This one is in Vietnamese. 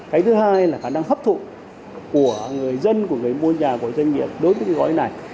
cái thứ hai là khả năng hấp thụ của người dân của người mua nhà của doanh nghiệp đối với cái gói này